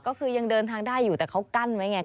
ก็คือยังเดินทางได้อยู่แต่เขากั้นไว้ไง